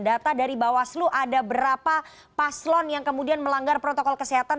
data dari bawaslu ada berapa paslon yang kemudian melanggar protokol kesehatan